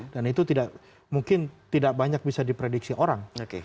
dan itu mungkin tidak banyak bisa diprediksi orang